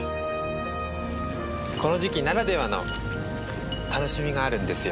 この時期ならではの楽しみがあるんですよ。